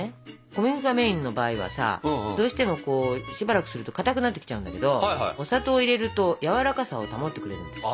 小麦粉がメインの場合はさどうしてもしばらくするとかたくなってきちゃうんだけどお砂糖を入れるとやわらかさを保ってくれるんです。